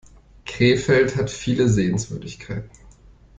Krefeld hat viele Sehenswürdigkeiten